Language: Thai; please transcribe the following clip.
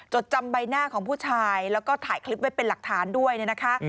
จดจำใบหน้าของผู้ชายแล้วก็ถ่ายคลิปไว้เป็นหลักฐานด้วยนะคะ